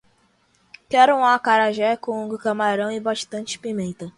Quero um acarajé com camarão e bastante pimenta